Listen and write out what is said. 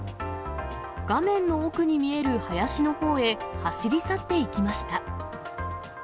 画面の奥に見える林のほうへ走り去っていきました。